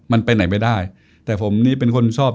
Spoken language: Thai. มันไปไหนไม่ได้แต่ผมนี่เป็นคนชอบ